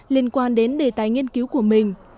liên quan đến đề tài nghiên cứu của mình